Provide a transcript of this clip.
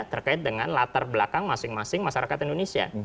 terkait dengan latar belakang masing masing masyarakat indonesia